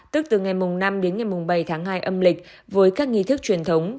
tức từ ngày mùng năm đến ngày mùng bảy tháng hai âm lịch với các nghi thức truyền thống